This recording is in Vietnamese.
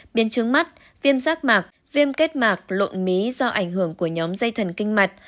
biến chứng mắt viêm rác mạc viêm kết mạc lộn mí do ảnh hưởng của nhóm dây thần kinh mạch